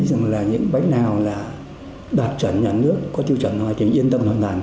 chúng là những bánh nào là đạt chuẩn nhà nước có tiêu chuẩn thì yên tâm hoàn toàn